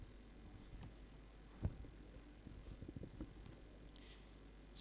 tetapi saya tetap berusaha untuk menjalankan proses persidangan